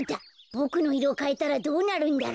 ボクのいろをかえたらどうなるんだろう。